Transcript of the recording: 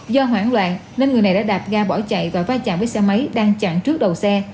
do hoảng loạn nên người này đã đạp ga bỏ chạy và va chạm với xe máy đang chặn trước đầu xe